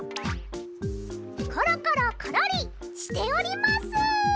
コロコロコロリしております！